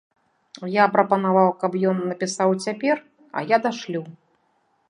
Я прапанаваў, каб ён напісаў цяпер, а я дашлю.